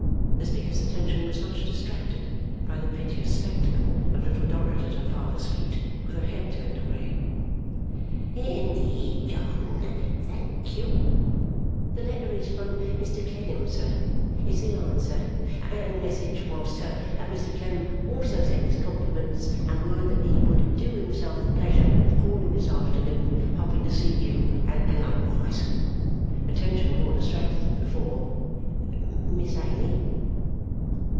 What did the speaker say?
The speaker's attention was much distracted by the piteous spectacle of Little Dorrit at her father's feet, with her head turned away. 'Indeed, John? Thank you.' 'The letter is from Mr Clennam, sir it's the answer and the message was, sir, that Mr Clennam also sent his compliments, and word that he would do himself the pleasure of calling this afternoon, hoping to see you, and likewise,' attention more distracted than before, 'Miss Amy.